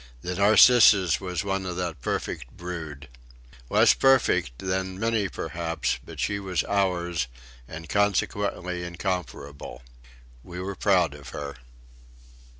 The Narcissus was one of that perfect brood. Less perfect than many perhaps, but she was ours, and, consequently, incomparable. We were proud of her.